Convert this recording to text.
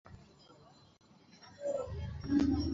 আল্লাহ এগুলোর বিশুদ্ধতা সম্পর্কে সম্যক জ্ঞাত।